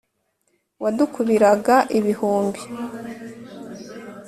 wadukubiraga ibihumbi